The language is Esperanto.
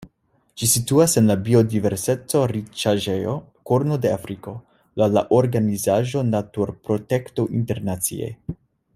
Ĝi situas en la biodiverseco-riĉaĵejo Korno de Afriko laŭ la organizaĵo Naturprotekto Internacie.